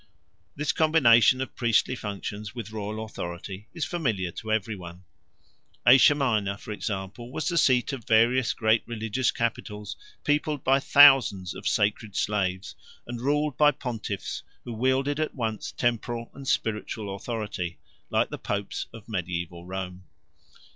This combination of priestly functions with royal authority is familiar to every one. Asia Minor, for example, was the seat of various great religious capitals peopled by thousands of sacred slaves, and ruled by pontiffs who wielded at once temporal and spiritual authority, like the popes of mediaeval Rome.